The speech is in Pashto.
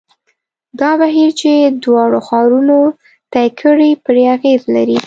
دا بهیر چې دواړو ښارونو طی کړې پرې اغېز لري.